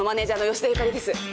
吉田ゆかりです。